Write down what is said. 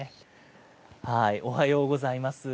おはようございます。